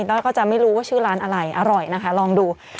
แล้วก็จะไม่รู้ว่าชื่อร้านอะไรอร่อยนะคะลองดู